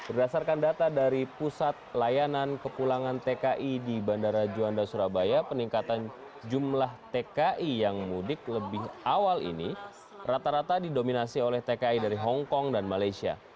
berdasarkan data dari pusat layanan kepulangan tki di bandara juanda surabaya peningkatan jumlah tki yang mudik lebih awal ini rata rata didominasi oleh tki dari hongkong dan malaysia